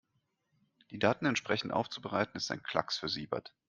Die Daten entsprechend aufzubereiten, ist ein Klacks für Siebert.